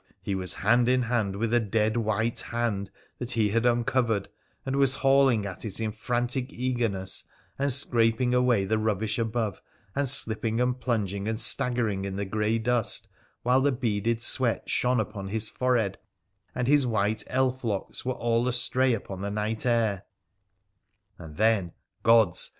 he was hand in hand with a dead white hand that he had uncovered, and was hauling at it in frantic eagerness, and scraping away the rubbish above, and slipping and plunging and staggering in the grey dust, while the beaded sweat shone on his forehead, and his white elf locks were all astray upon the night air ; and then — gods